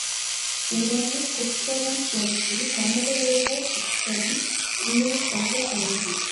உடனே கூற்றுவன் தோன்றிக் கடோரசித்தன் உயிரைக்கொண்டு சென்றனன்.